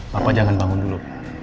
bapak jangan bangun dulu